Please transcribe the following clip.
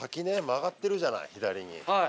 曲がってるじゃない左に。